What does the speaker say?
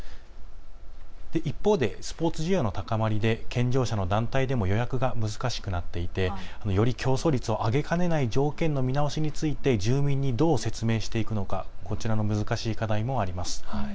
一方でスポーツ需要の高まりで健常者の団体でも予約が難しくなっていて、より競争率を上げかねない条件の見直しについて住民にどう説明していくのか、こちらの難しい課題もあります。